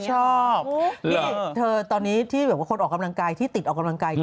จะไม่ต้องรู้ว่าใครเป็นใคร